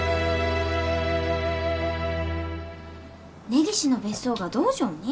根岸の別荘が道場に？